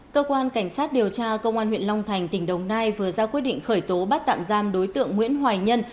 cơ quan cảnh sát điều tra công an huyện long thành tỉnh đồng nai vừa ra quyết định khởi tố bắt tạm giam đối tượng nguyễn hoài nhân